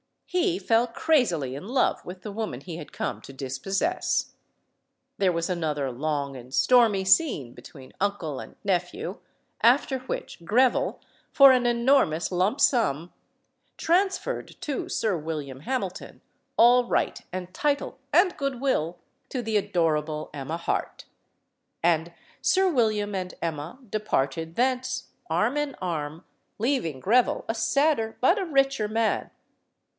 He fell crazily in love with the woman he had come to dispossess. There was another long and stormy scene between uncle and nephew; after which Greville, for an enormous lump sum, transferred to Sir William Hamilton all right and title and good will to the adorable Emma Harte. And Sir William and Emma departed thence, arm in arm, leaving Greville a sadder but a richer man.